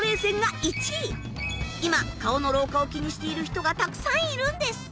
今顔の老化を気にしている人がたくさんいるんです。